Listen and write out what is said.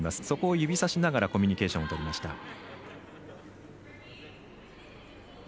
そこを指さしながらコミュニケーションをとりました。